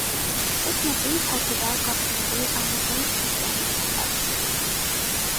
ეს მოტივი ფართოდაა გავრცელებული აღმოსავლეთ ქრისტიანულ სამყაროში.